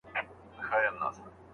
شاګرد به خپله مقاله ژر چاپ کړي.